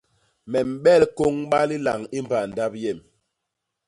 Me mbel kôñba lilañ i mbaa ndap yem.